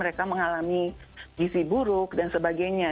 mereka mengalami gizi buruk dan sebagainya